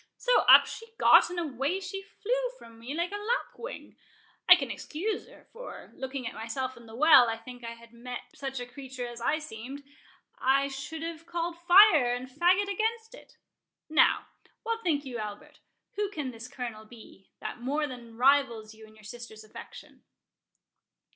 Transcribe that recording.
So up she got, and away she flew from me like a lap wing. I can excuse her—for, looking at myself in the well, I think if I had met such a creature as I seemed, I should have called fire and fagot against it.—Now, what think you, Albert—who can this Colonel be, that more than rivals you in your sister's affection?"